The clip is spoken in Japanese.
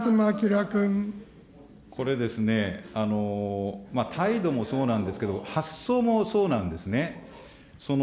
これですね、態度もそうなんですけど、発想もそうなんですね。